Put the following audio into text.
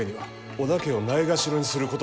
織田家をないがしろにすることでは？